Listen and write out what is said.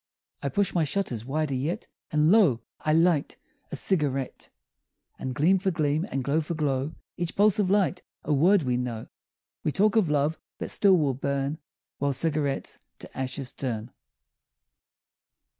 I push my shutters wider yet, And lo! I light a cigarette; And gleam for gleam, and glow for glow, Each pulse of light a word we know, We talk of love that still will burn While cigarettes to ashes turn.